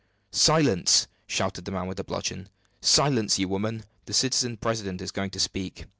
"Silence!" shouted the man with the bludgeon. "Silence, you women! the citizen president is going to speak."